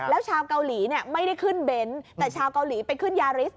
แล้วชาวเกาหลีเนี่ยไม่ได้ขึ้นเบนท์แต่ชาวเกาหลีไปขึ้นยาริส